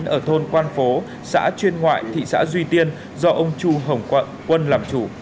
ở thôn quan phố xã chuyên ngoại thị xã duy tiên do ông chu hồng quận quân làm chủ